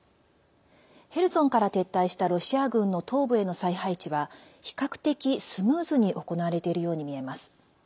ヘルソンから撤退したロシア軍の東部への再配置は比較的スムーズに行われているように見えます。